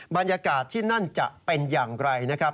บรรยากาศที่นั่นจะเป็นอย่างไรนะครับ